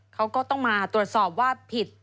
เขาก็ต้องมาตรวจสอบว่าผิด